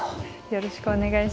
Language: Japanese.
よろしくお願いします。